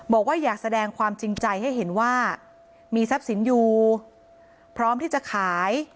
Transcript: บอกว่าอยากแสดงความจริงใจให้เห็นว่ามีทรัพย์สินอยู่พร้อมที่จะขาย